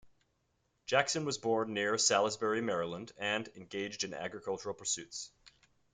Jackson was born near Salisbury, Maryland, and engaged in agricultural pursuits.